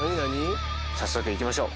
早速行きましょう。